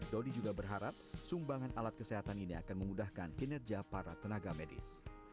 dodi juga berharap sumbangan alat kesehatan ini akan memudahkan kinerja para tenaga medis